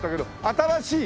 新しい？